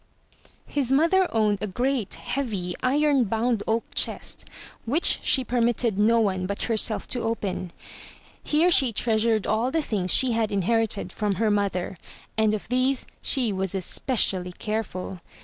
His mother owned a great, heavy, iron bound oak chest which she permitted no one but herself to open. Here she treasured all the things she had inherited from her mother, and of these 410 THROUGH FAIRY HALLS she was especially careful.